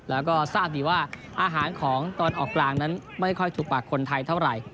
อาหารเสริมเฉยนะครับเพราะว่าเด็กยุคใหม่ส่วนใหญ่